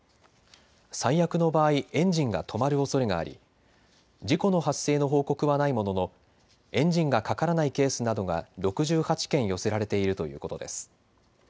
最悪の場合、エンジンが止まるおそれがあり事故の発生の報告はないもののエンジンがかからないケースなどが６８件寄せられているということです。